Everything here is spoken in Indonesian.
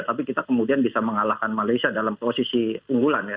tapi kita kemudian bisa mengalahkan malaysia dalam posisi unggul